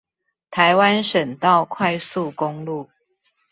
臺灣省道快速公路